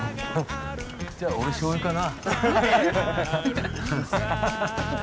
じゃあ俺しょうゆかな。